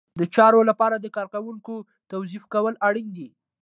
د چارو لپاره د کارکوونکو توظیف کول اړین دي.